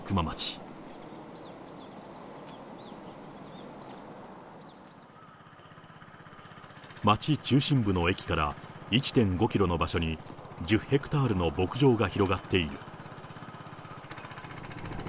町中心部の駅から１．５キロの場所に、１０ヘクタールの牧場が広がっている。